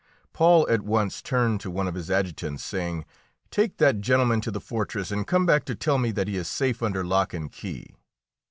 Paul at once turned to one of his adjutants, saying, "Take that gentleman to the fortress, and come back to tell me that he is safe under lock and key."